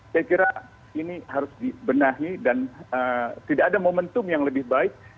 saya kira ini harus dibenahi dan tidak ada momentum yang lebih baik